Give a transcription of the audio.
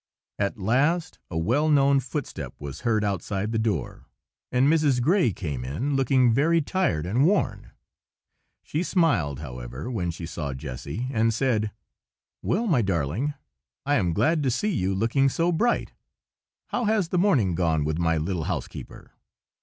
At last, a well known footstep was heard outside the door, and Mrs. Gray came in, looking very tired and worn. She smiled, however, when she saw Jessy, and said,— "Well, my darling, I am glad to see you looking so bright. How has the morning gone with my little housekeeper?"